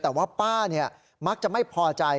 แต่ว่าป้ามักจะไม่พอใจ